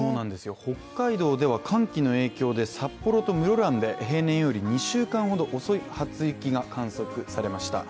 北海道では寒気の影響で札幌と室蘭で平年より２週間ほど遅い初雪が観測されました。